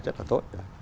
rất là tốt